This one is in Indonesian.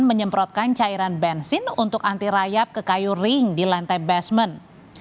menyemprotkan cairan bensin untuk anti rayap ke kayu ring di lantai basement